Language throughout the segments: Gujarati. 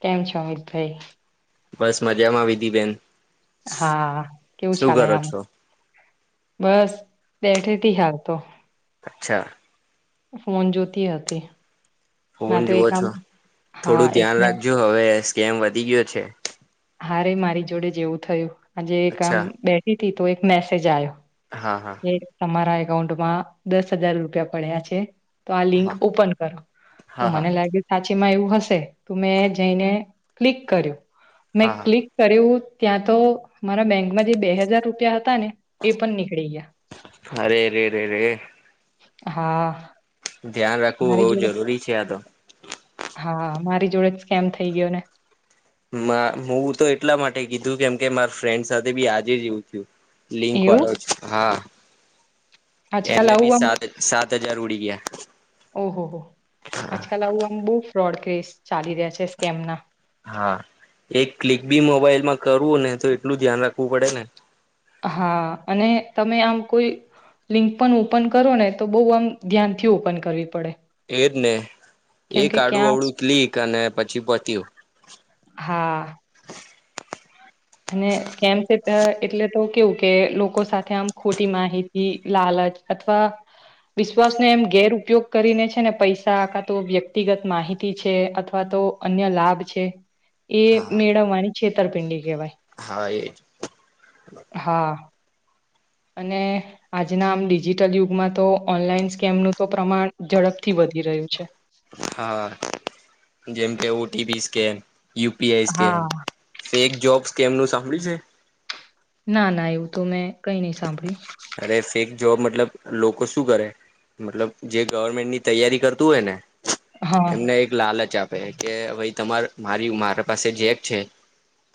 કેમ છો અમિતભાઈ? બસ મજામાં વિધી બેન. હા કેવું ચાલે આમ. છો બસ બેઠીથી હાર તો. અચ્છા. ફોન જોતી હતી. ના ફોન તો જુવો એક છો આમ હા થોડું ધ્યાન એકને રાખજો હવે સ્કેમ વધી ગયો છે. હારે મારી જોડે જેવું થયું આજે એક અચ્છા આમ બેઠી હતી તો એક મેસેજ આવ્યો. હા હા એ તમારા એકાઉન્ટમાં દસ હજાર રૂપિયા પડ્યા છે. તો આ હા લિંક હા ઓપન કરો તો હા મને લાગે સાચી એમા એવું હશે તો મેં જઈને ક્લિક કર્યું મેં હા ક્લિક કર્યું ત્યાં તો મારા બેંકમાં જે બે હજાર રૂપિયા હતા ને એ પણ નીકળી ગયા. અરે અરે અરે રરે હા. ધ્યાન રાખવું મારી બહુ જોડે જરૂરી છે આ તો. હા મારી જોડે જ કેમ થઇ ગયો ને. મ હું તો એટલા માટે કીધું કેમ કે માર ફ્રેન્ડ સાથે બી આજે એવું થયું. લિંક એવું? વાળો છે હા. આજકાલ એમને આવું બી સાત સાત હજાર ઉડી ગયા. ઓહો હો આજકાલ આવું આમ બહુ ફ્રોડ કેસ ચાલી રહ્યા છે સ્કેમના. હા એક ક્લિક બી મોબાઈલ માં કરવું ને તો એટલું ધ્યાન રાખવું પડે ને. હા અને તમે આમ કોઈ લિંક પણ ઓપન કરો ને તો બો આમ ધ્યાનથી ઓપન કરવી પડે. એદને. કેમ એક કે આડું ક્યાં અવડું ક્લિક અને પછી પત્યું. હા, અ એટલે તો કેવું કે લોકો સાથે આમ ખોટી માહિતી લાલચ અથવા વિશ્વાસને એમ ગેર ઉપયોગ કરીને છે ને પૈસા આ કાતો વ્યક્તિગત માહિતી છે અથવા તો અન્ય લાભ છે એ મેળવવાની છેતરપિંડી કેહવાય. હા એજ. હા અને આજના આમ ડિજિટલ યુગમાં તો ઓનલાઈન સ્કેમનું તો પ્રમાણ ઝડપથી વધે વધી રહ્યું છે. હા જેમ કે O T P scan. U P I scam, હા ફેક જોબ સ્કેમ નું સાંભળ્યું છે? ના ના એવું તો મેં કઈ ની સાંભળ્યું. છે અરે ફેક જોબ મતલબ લોકો શું કરે, મતલબ જે ગવર્મેન્ટની તૈયારી કરતું હોય ને. હા એમને એક લાલચ આપે કે વઈ તમાર મારી મારા પાસે જેક છે,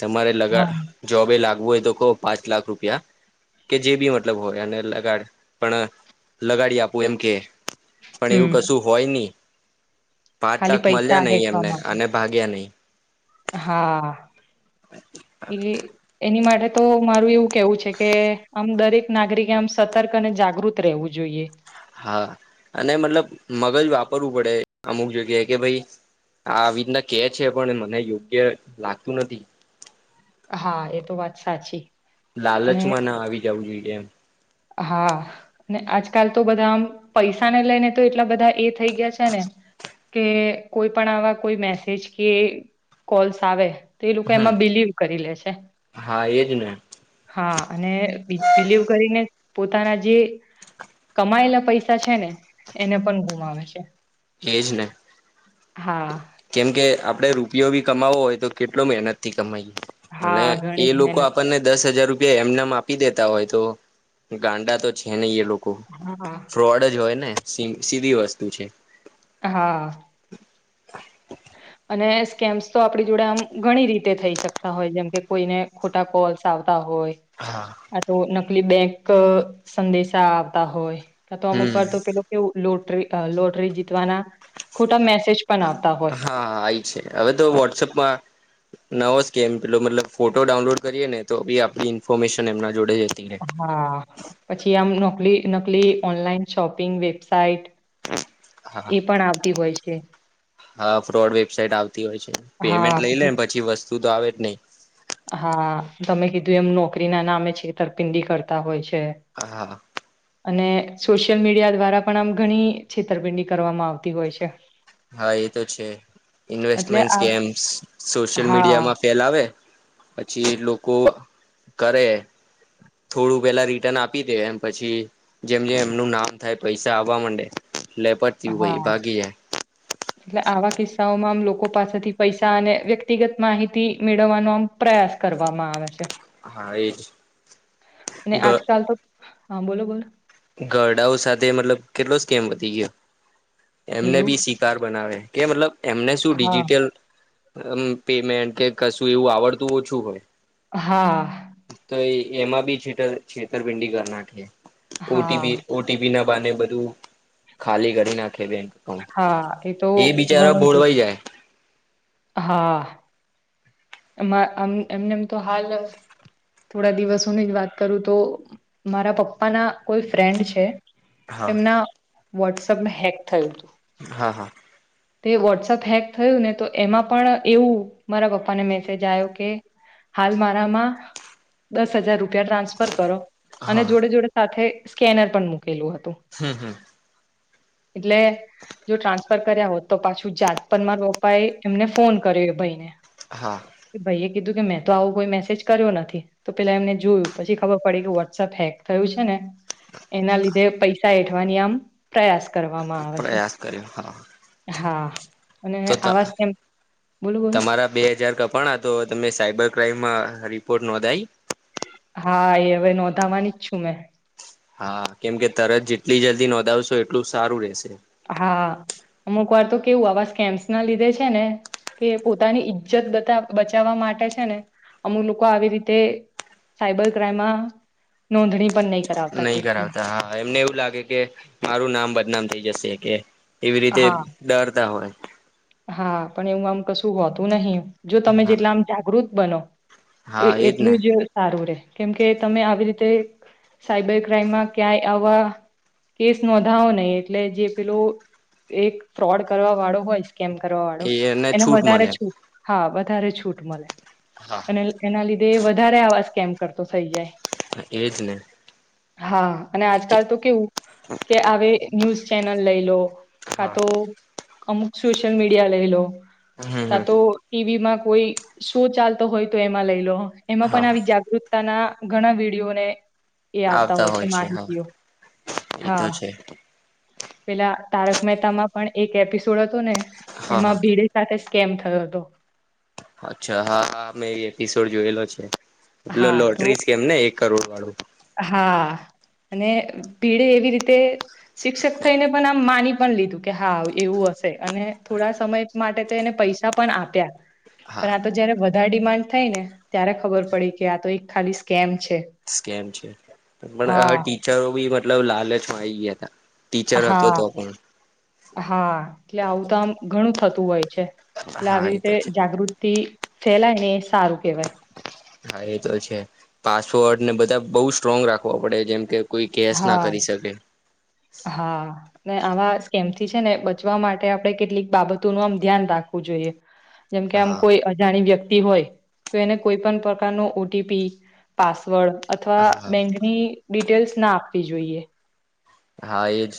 તમારે લગા હા જોબ એ લાગ વુ હોય તો પાંચ લાખ રૂપિયા, કે જે બી મ તલબ હોય અને લગાડ પણ લગાડી આપુ એમ કે પણ એવું હમ કશું હોય ની. પાંચ ખાલી લાખ પૈસા મળ્યા નહી હેઠવા એમને માટે અને ભાગ્યા નહી. હા, એ એની માટે તો મારું એવું કેવું છે કે આમ દરેક નાગરિકે આમ સતર્ક અને જાગૃત રેહવું જો ઈએ. હા અને મતલબ મગજ વાપરવું પડે અમુક જગ્યાએ, કે ભાઈ આ આવીતના કે છે પણ મને યોગ્ય લાગતું નથી. હા એ તો વાત સાચી. અને લાલચમાં ના આવી જવું જોઈએ એમ. હા, અને આજકાલ તો બધા આમ પૈસાને લઈને તો એટલા બધા એ થઈ ગયા છે ને કે કોઈ પણ આવા કોઈ મેસેજ કે કોલ્સ આવે તે એ લોકો હમ એમાં બિલીવ કરી લે છે. હા એજ ને હા. અને બી બિલીવ કરીને પોતાના જે કમાયેલા પૈસા છે ને, એને પણ ગુમાવે છે. એજ ને. હા. કેમ કે આપડે રૂપિયો ભી કમાવો હોય, તો કેટલો મેહનત થી કમાઈ અને હા, એ ઘણી જ લોકો મહેનત કરી. આપણને દસ હજાર રૂપિયા એમ ને મ આપી દેતા હોય તો ગાંડા તો છે નહી એ લોકો, હા, ફ્રોડ જ હોય ને. સી સીધી વસ્તુ છે. હા. અને સ્કેમ્સ તો આપણી જોડે આમ ઘણી રીતે થઈ શકતા હોય, જેમ કે કોઈને ખોટા કોલ્સ આવ તા હોય, હા આ તો નકલી બેક સંદેશા આવતા હોય. કા તો અમુક હમ વાર તો પેલુ કેવું લોટરી અ લોટરી જીતવાના ખોટા મેસેજ પણ આવતા હોય હા આઇ છે, હવે તો વોટ્સએપમાં નવો સ્કેમ પેલો મતલબ ફોટો ડાઉનલોડ કરીએ ને, તો બી આપ ઇન્ફોર્મેશન એમના જોડે જતી રહે. હા પછી આમ નોકલી નકલી ઓનલાઈન શોપિંગ વેબસાઈટ એ હા પણ આવતી હોય છે. હા ફ્રોડ વેબસાાઈટ આવતી હોય છે, પેમેન્ટ લઈ લેન પછી વસ્તુ તો આવે જ નહી. હા તમે કીધું એમ નોકરી ના નામે છેતરપિંડી કરતા હોય છે. હા હા. અને સોશિયલ મીડિયા દ્વારા પણ આમ ઘણી છેતરપિંડી કરવામાં આવતી હોય છે. હા એ તો છે. એટલે ઇન્વેસ્ટમેન્ટ આ સ્કેમ્સ, સોશિયલ હા મીડિયામાં ફેલાવે પછી લોકો કરે થોડું પેલા રિટર્ન આપી દે એમ પછી, જેમ જેમ એમનું નામ થાય પૈસા આવવા માંડે લેપટતી હોઈ હા બાકીજ [unintelligible] એટલે આવા કિસ્સાઓમાં આમ લોકો પાસેથી પૈસા અને વ્યક્તિગત માહિતી મેળવવાનો આમ પ્રયાસ કરવામાં આવે છે હા એજ અને ગ આજકાલ તો હા બોલો બોલો ગરડાઓ સાથે મતલબ કેટલો સ્ કેમ વધી ગયો એમને એવું બી શિકાર બનાવે કે મતલબ એમને શું હા ડિજિટલ પેમેન્ટ કે કશું એવું આવડતું ઓછું હોય હા. તો એમાં બી છેતર છેતરપિંડી કર નાખી હા ઓટીપી ઓટીપી ના અને બધું ખાલી કરી નાખે બેંક હા તો એ બિચારા ઘણું જ ભોળવાઈ જાય- હા. એમ એમને એમ તો હાલ થોડા દિવસોની જ વાત કરું તો મારા પપ્પા ના કોઈ ફ્રેન્ડ છે હા એમના વોટ્સઅપમાં હેક થયું તું. હા હા. તે વોટ્સઅપ હેક થયું ને તો એમાં પણ એવું મારા પપ્પાને મેસેજ આવ્યો કે હાલ મારામાં દસ હજાર રૂપ રૂપિયા ટ્રાન્સફર કરો અને હા જોડે જોડે સાથે સ્કેનર પણ મૂક કેલું હતું હમ હમ એટલે જો ટ્રાન્સફર કર્યા હોત તો પાછું જાતપ માર પપા એમને ફોન કર્યો ભાઈને હા. ભાઈએ કીધું કે મેં તો આવું કોઈ મેસેજ કર્યો નથી તો પેલા એમને જોયું પછી ખબર પડી કે વોટ્સએપ હેક થયું છે ને એના લીધે પૈસા હેઠવાની આમ પ્રયાસ કરવામાં આવે છે. પ્રયાસ કર્યો હા હા. અને તો ત આવા સ્કેમ બોલો બોલો તમારા બે હજાર કપાના તો તમે સાયબર ક્રાઈમમાં રિપોર્ટ નોંધાઈ હા એ હવે નોંધાવાની જ છું મેં હા કેમ કે તરત જેટલી જલ્દી નોંધાવશો એટલું સારું રેશે. હા અમુક વાર તો કેવું આવા સ્કેમ્સ ના લીધે છે ને કે પોતાની ઈજ્જત બતા બચાવવા માટે છે ને અમુક લોકો આવી રીતે સાયબર ક્રાઈમમાં નોંધણી પણ નહી નહી કરાવતા હા એમને એવું લાગે કે મારું નામ બદનામ થઇ જશે કે એવી રીતે હા ડરતા હોય હા પણ એવું આમ કશું હોતું નહી જો તમે હા જેટલા આમ જાગૃત બનો તો હા એજ ને એટલું જ સારું રે કેમ કે તમે આવી રીતે સાયબર ક્રાઈમમાં ક્યાંય આવા કેસ નોંધાવો ને એટલે જે પેલું એક ફ્રોડ કરવા વાળો હોય કેમ કરવા વાળો એને છૂટ વધારે મળે છૂટ હા વધારે છૂટ મળે હા અને એના લીધે વધારે આવા સ્કેમ કરતો થઇ જાય. [unintelligible] એજ ને હા અને આજકાલ તો કેવું કે આવે ન્યુઝ ચેનલ લઈ લો કાં હા તો અમુક સોશિયલ મીડિયા લઈ લો હમ કાં હમ તો ટીવીમાં કોઈ શો ચાલતો હોય તો એમાં લઈ લો એમાં હા પણ આવી જાગૃતતાના ઘણા વિડીયોને એ આવતા હોય છે માહિતીઓ એ હા તો છે પેલા તારક મહેતામાં પણ એક એપિસોડ હતો ને હા હા એમાં ભીડે સાથે સકેમ થયો હતો. અચ્છા હા હા મેં એ એપિસોડ જોયેલો છે પેલા હા તો લોટરી સ્કેમને એક કરોડ વાળો હા અને ભિળે એવી રીતે શિક્ષક થઈને પણ આમ માની પણ લીધું કે હા એવું હશે અને થોડા સમય માટે તો એને પ પૈસા પણ આપ્યા. હા પણ આ તો જયારે વધારે ડિમાન્ડ થાય ને ત્યારે ખબર પડી કે આ તો એક ખાલી સ્કેમ છે. સ્કેમ છે પણ હવે હા ટીચરો બી મતલબ લાલચમાં આઈ ગયા હતા. ટીચર હતો હા તો પણ હા એટલે આવું તો આમ ઘણું થતું હોય છે. એટલે હા આવી એ રીતે તો છે જાગૃતિ ફેલાય ને એ સારું કેવાય. હા એ તો છે પાસવોર્ડ ને બધા બઉુ સ્ટ્રોંગ રાખવા પડે જેમ કે. કોઈ કેસ ના હા કરી શકે. હા. ને આવા સ્કેમ થી છે ને બચવા માટે આપડણે કેટલીક બાબતો ન આમ ધ્યાન રાખવું જોઈએ. જેમ કે આમ હા કોઈ અજાણી વ્યક તી હોય તો એને કોઈ પણ પ્રકાર નું ઓ-ટી- પી પાસવર્ડ અથવા હા બેંકની ડિટેલ્સ ના આપવી જોઈએ. હા એજ.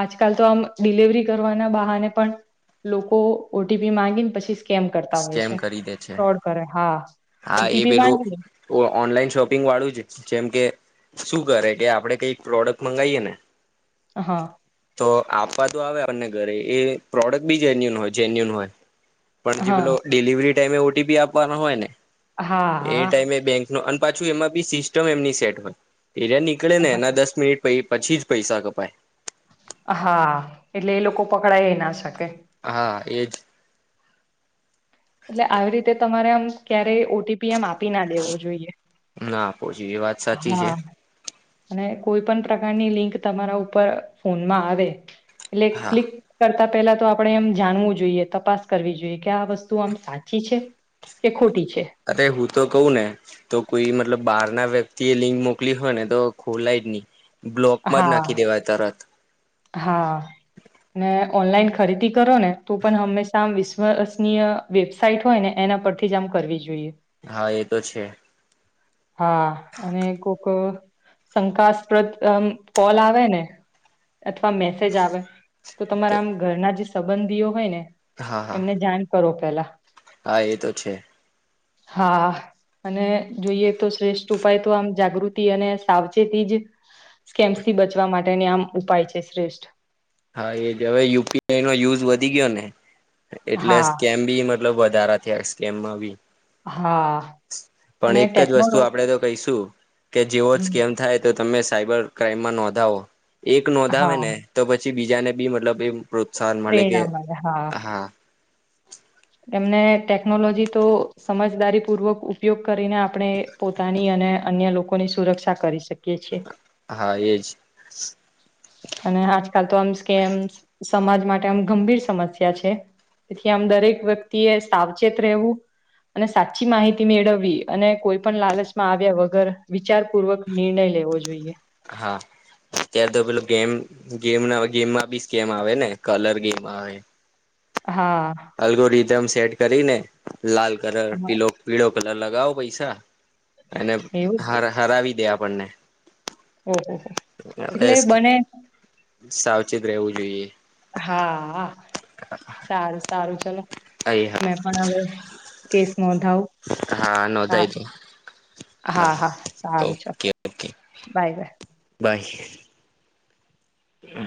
આજકાલ તો આમ ડિલવરી કરવાના બહાને પણ લોકો ઓટીપી માંગીને પછી સ્કેમ કરતા હોય સ્કેમ છે કરી દે છે ફ્રોડ કરે હા. હા એ ઓટીપી પેલું માંગી ઓનલાઈન શોપિંગ વાળું જ જેમ કે શું કરે કે આપડે કઈક પ્રોડક્ટ મંગાવીએ ને હા તો આપવા તો આવે પન ને ઘરે એ પ્રોડક્ટ બી જેન્યુન હોય જેન્યુન હોય પણ જે પેલો હા ડિલિવરી મે ઓટીપી આપવાના હોય ને હા એ હા. ટાઈમે બેંક અને પાછું એમાં બી સિસ્ટમ એમની સેટ હોય એ નીકળે ને એના દસ મિનિટ પહિ પછી જ પૈસા કપાય. હા એટલે એ લોકો પકડાય એ નય સ હા એજ. એટલે આવી રીતે તમારે આમ ક્યારે ઓટીપી એમ આપી ના દેવો જોઈએ ના પહોંચી એ વાત સાચી છે હા. અને કોઈ પણ પ્રકારની લિંક તમારા ઉપર ફોનમાં આવે એટલે હા ક્લિક કર તા પેલા તો આપડે એમ જાણવું જોઈએ તપાસ કરવી જોઈએ કે આ વસ્ તું આમ સાચી છે કે ખોટી છે. અરે હું તો કહું ને તો કોઈ મતલબ બહાર ના વ્યક્તિ એ લિંક મોકલી હોય ને તો ખોલાય જ નહી બ્લોક માં જ હા નાખી દેવાય તરત. હા. ઓનલાઈન ખરીદી કરો ને તો પણ હંમેશા આ વિશ્વસનીય વેબસાાઈટ હોય ને એ ના પરથી જ આમ કરવી જોઈએ. હા એ તો છે. હા અને કોક શંકાસ્પ્રદ અમ્મ કોલ આવે ને. અથવા મેસેજ આવે તો તમારા આમ ઘરના જે સંબંધીઓ હોય ને હા હા એમને જાન કરો પેલા. હા એ તો છે. હા. અને જોઈએ તો શ્રેષ્ઠ ઉપાય તો આમ જાગૃતિ અને સાવચેતી જ સ્કેમ્સથી બચવા માટેને આમ ઉપાય છે શ્રેષ્ઠ. હા એજ હવે યુપીઆઈ નો યુઝ વધી ગયો ને એટલે હા સ્કેમ બી એમા [unintelligible] વધારા થયા સ્કેમ બી હા. પણ અને એક જ વસ્તુ ટેકનોલો આપડે તો કહીશું કે જેવો જ હમ કેમ થાય તો તમે સાયબર ક્રાઈમમાં નોંધાવો એક નોંધાવે હા ને તો પછી બીજાને બી મતલબ એ પ્રોત્સાહન મળે કે હા. એમને ટેકનોલોજી તો સમજદારી પૂર્વક ઉપયોગ કરીને આપણે પોતાની અને અન્ય લોકોની સુરક્ષા કરી શક કે છે. હા એજ અને હા [unintelligible] કે સમાજ માટે આમ ગંભીર સમસ્યા છે. તેથી આમ દરેક વ્યક્તિ એ સાવચેત રહેવું અને સાચી માહિતી મેળવવી અને કોઈ પણ લાલચમાં આવ્યા વગર વિચારપૂર્વક નિર્ણય લેવો જોઈએ. હા. અત્યારે તો પેલો ગેમ ગેમમાં બી સ્કેમ આવે ને કલર ગેમ આવે હા અલગો રીધમ સેટ કરીને લાલ કલર હા, પીલો પીલો પેલા લગાવો પૈસા અને એવું હા હરાવી દે આપણને. ઓહ હવે એટલે બને સાવચેત રહેવું જોઈએ. હા, સારું સારું ચલો હા મેં પણ હવે મોંધાઉ, હા આ નોંધાઈ દો હા હા સારું છે. Okay bye bye. હ